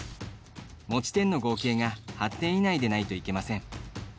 持ち点の合計が８点以内でないといけません。